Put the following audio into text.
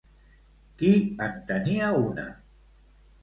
Qui en tenia una?